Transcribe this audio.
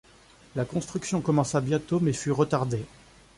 La construction commença bientôt mais fut retardée.